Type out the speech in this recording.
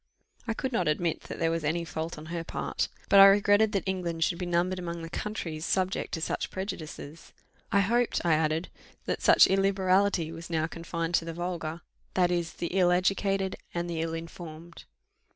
I could not admit that there was any fault on her part; but I regretted that England should be numbered among the countries subject to such prejudices. I hoped, I added, that such illiberality was now confined to the vulgar, that is, the ill educated and the ill informed.